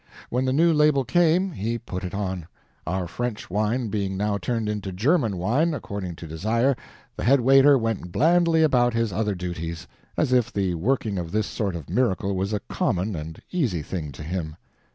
When the new label came, he put it on; our French wine being now turned into German wine, according to desire, the head waiter went blandly about his other duties, as if the working of this sort of miracle was a common and easy thing to him.